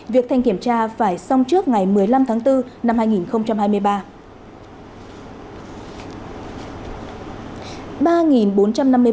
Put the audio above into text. việc thanh kiểm tra phải xong trước ngày một mươi năm tháng bốn năm hai nghìn hai mươi ba